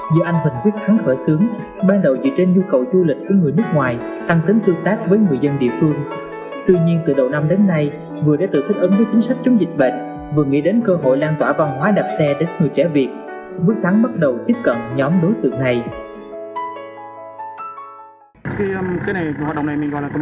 giữa anh huỳnh quyết thắng đã có nhiều năm hỗ trợ du khách khám phá